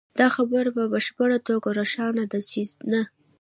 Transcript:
دا خبره په بشپړه توګه روښانه ده چې نه